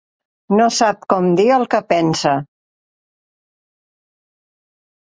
No sap com dir el que pensa.